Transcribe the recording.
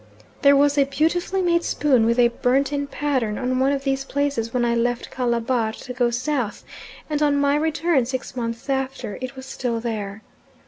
There was a beautifully made spoon with a burnt in pattern on one of these places when I left Calabar to go South, and on my return, some six months after, it was still there.